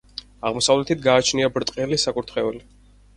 აღმოსავლეთით გააჩნია ბრტყელი საკურთხეველი.